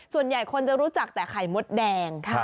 ส่วนใหญ่คนจะรู้จักแต่ไข่มดแดง